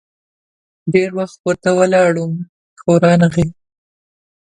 ډېر وخت ورته ولاړ وم ، خو رانه غی.